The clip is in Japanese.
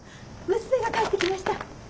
娘が帰ってきました。